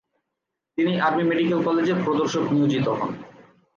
তিনি army medical কলেজের প্রদর্শক নিয়োজিত হন।